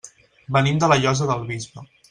Venim de la Llosa del Bisbe.